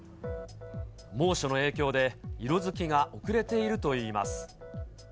猛暑の影響で、色づきが遅れているといいます。